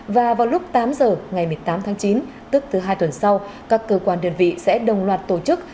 và vào lúc tám giờ ngày một mươi tám tháng chín tức thứ hai tuần sau các cơ quan đơn vị sẽ đồng loạt tổ chức